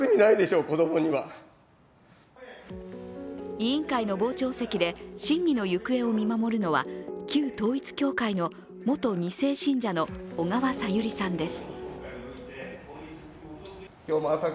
委員会の傍聴席で審議の行方を見守るのは旧統一教会の元２世信者の小川さゆりさんです。